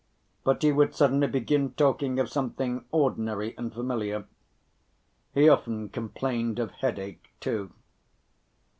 But he would suddenly begin talking of something ordinary and familiar. He often complained of headache too.